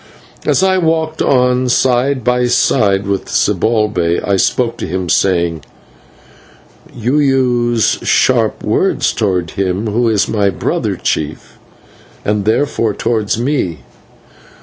As I walked on, side by side with Zibalbay, I spoke to him, saying: "You use sharp words towards him who is my brother, Chief, and therefore towards me."